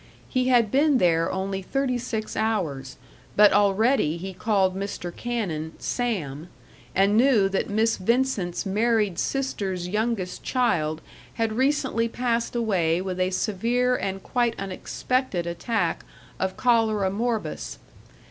He had been there only thirty six hours, but already he called Mr. Cannon "Sam," and knew that Miss Vincent's married sister's youngest child had recently passed away with a severe and quite unexpected attack of cholera morbus.